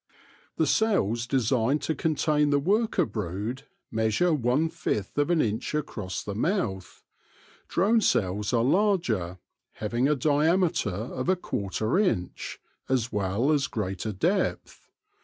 The cells designed to contain the worker brood measure one fifth of an inch across the mouth ; drone cells are larger, having a diameter of a quarter inch, as well as greater depth.